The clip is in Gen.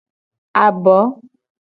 Abo.